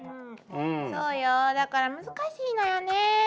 そうよだから難しいのよね。